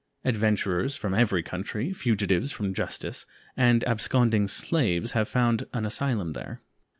Adventurers from every country, fugitives from justice, and absconding slaves have found an asylum there.